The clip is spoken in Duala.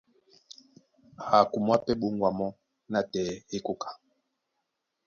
Á kumwá pɛ́ ɓóŋgwa mɔ́ nátɛɛ é koka.